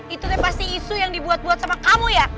itu pasti isu yang dipimpin kamu ya